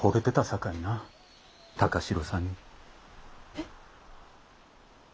えっ。